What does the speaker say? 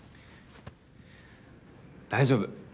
大丈夫。